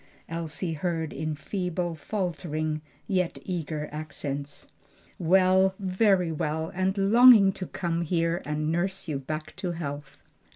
Elsie heard in feeble, faltering, yet eager accents. "Well, very well, and longing to come here and nurse you back to health."